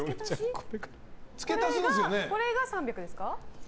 これが３００ですか？